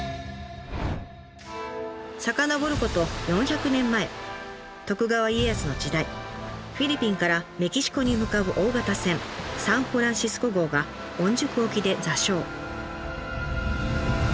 遡ること４００年前徳川家康の時代フィリピンからメキシコに向かう大型船サン・フランシスコ号が御宿沖で座礁。